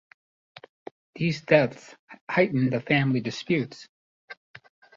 These deaths heightened the family disputes.